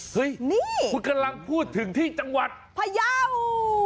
เฮ้ยนี่คุณกำลังพูดถึงที่จังหวัดพยาว